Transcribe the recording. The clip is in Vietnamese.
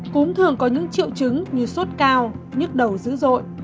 cúm thường có những triệu chứng như sốt cao nhức đầu dữ dội